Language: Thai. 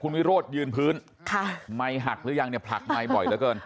คุณวิโรธยืนพื้นไม้หักหรือยังผลักไม้บ่อยเหลือเกิน